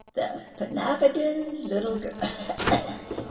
The Panafidins' little girl